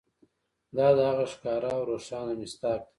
دا د هغه ښکاره او روښانه مصداق دی.